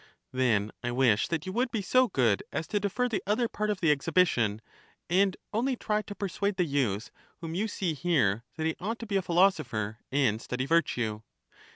Then I wish that you would be so good as to defer the other part of the exhibition, and only try to per suade the youth whom you see here that he ought to be a philosopher and study virtue.